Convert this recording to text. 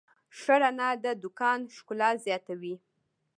ښه رڼا د دوکان ښکلا زیاتوي.